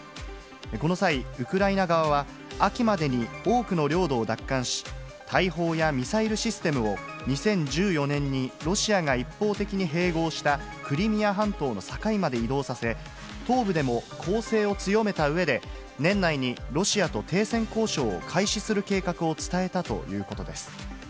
この際、ウクライナ側は、秋までに多くの領土を奪還し、大砲やミサイルシステムを、２０１４年にロシアが一方的に併合したクリミア半島の境まで移動させ、東部でも攻勢を強めたうえで、年内にロシアと停戦交渉を開始する計画を伝えたということです。